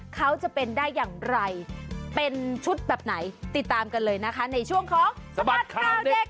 เขาจะเป็นได้อย่างไรเป็นชุดแบบไหนติดตามกันเลยนะคะในช่วงของสบัดข่าวเด็ก